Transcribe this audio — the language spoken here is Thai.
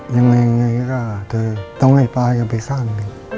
ยังไงก็เธอต้องให้ปลายกันไปสร้าง